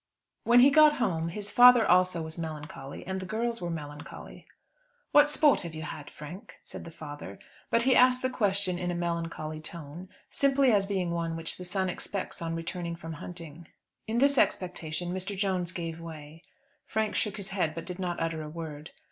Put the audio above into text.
When he got home his father also was melancholy, and the girls were melancholy. "What sport have you had, Frank?" said the father. But he asked the question in a melancholy tone, simply as being one which the son expects on returning from hunting. In this expectation Mr. Jones gave way. Frank shook his head, but did not utter a word.